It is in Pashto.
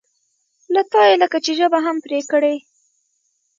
له تا یې لکه چې ژبه هم پرې کړې.